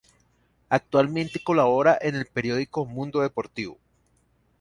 Actualmente colabora en el periódico Mundo Deportivo.